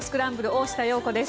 大下容子です。